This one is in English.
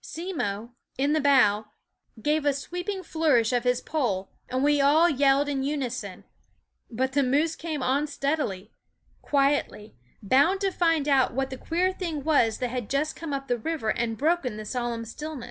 Simmo, in the bow, gave a sweeping flourish of his pole, and we all yelled in unison; but the moose came on steadily, quietly, bound to find out what the queer thing was that had just come up river and broken the solemn stillness.